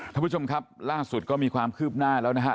ท่านผู้ชมครับล่าสุดก็มีความคืบหน้าแล้วนะฮะ